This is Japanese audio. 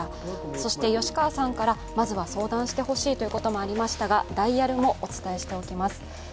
そして吉川さんからまずは相談してほしいということもありましたがダイヤルもお伝えしておきます。